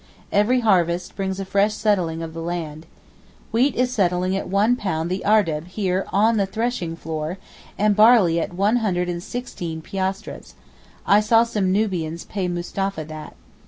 Every harvest brings a fresh settling of the land. Wheat is selling at £1 the ardeb here on the threshing floor, and barley at one hundred and sixteen piastres; I saw some Nubians pay Mustapha that.